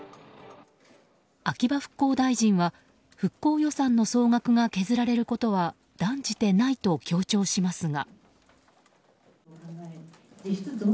秋葉復興大臣は復興予算の総額が削られることは断じてないと強調しますが。